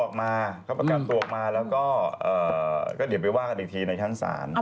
ออกมาเขาประกันตัวออกมาแล้วก็เดี๋ยวไปว่ากันอีกทีในชั้นศาล